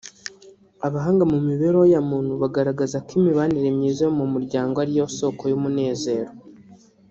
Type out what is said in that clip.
Abahanga mu mibereho ya muntu bagaragaza ko imibanire myiza yo mu muryango ariyo soko y’umunezero